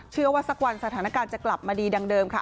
สักวันสถานการณ์จะกลับมาดีดังเดิมค่ะ